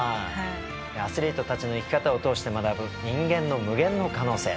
アスリートたちの生き方を通して学ぶ人間の無限の可能性。